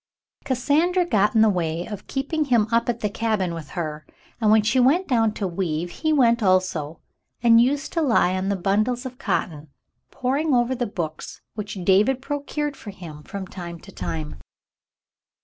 Cassandra got in the way of keeping him up at the cabin with her, and when she went down to weave, he went also and used to lie on the bundles of cotton, poring over the books which David procured for him from time to time.